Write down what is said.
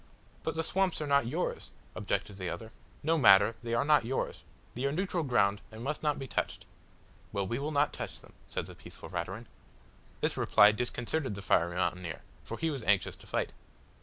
"But the swamps are not yours," objected the other. "No matter they are not yours. They are neutral ground, and must not be touched." "Well, we will not touch them," said the peaceful Raturan. This reply disconcerted the fiery mountaineer, for he was anxious to fight.